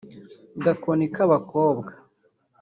Gakoni k’abakobwa